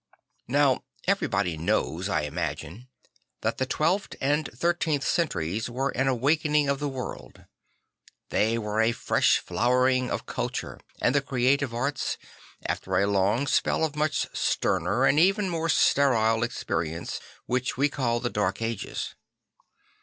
Now everybody knows, I imagine, that the twelfth and thirteenth centuries were an awaken ing of the world. They were a fresh flowering of culture and the creative arts after a long spell of much sterner and even more sterile experience which \ve call the Dark Ages.